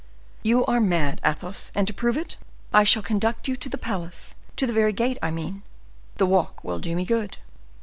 "You are mad, Athos, and to prove it, I shall conduct you to the palace; to the very gate, I mean; the walk will do me good."